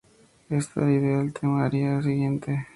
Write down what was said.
Esta idea es el tema del aria siguiente.